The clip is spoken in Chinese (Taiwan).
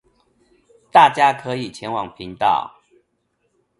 大家可以前往頻道